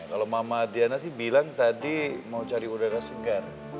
kalau mama diana sih bilang tadi mau cari udara segar